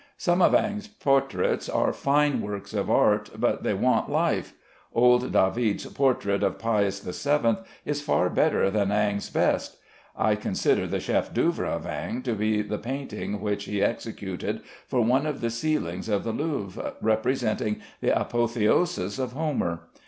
Some of Ingres' portraits are fine works of art, but they want life. Old David's portrait of "Pius VII" is far better than Ingres' best. I consider the chef d'œvre of Ingres to be the painting which he executed for one of the ceilings of the Louvre, representing the "Apotheosis of Homer."